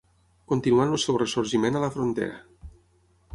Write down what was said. Continuant el seu ressorgiment a la Frontera.